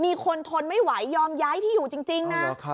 ทนไม่ไหวยอมย้ายที่อยู่จริงนะ